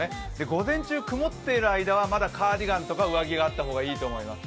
午前中、曇っている間はまだカーディガンとか上着があった方がいいと思います。